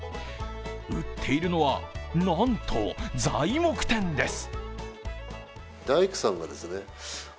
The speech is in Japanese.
売っているのは、なんと材木店です